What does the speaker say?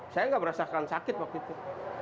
saya nggak merasakan sakit waktu itu